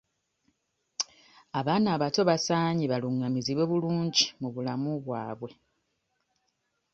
Abaana abato basaanye balungamizibwe bulungi mu bulamu bwabwe.